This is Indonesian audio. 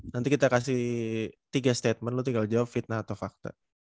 nanti kita kasih tiga statement lu tinggal jawab fitnah atau fakta